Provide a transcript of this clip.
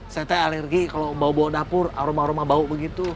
saya teh alergi kalau bau bawa dapur aroma aroma bau begitu